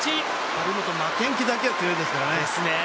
負けん気だけは強いですからね。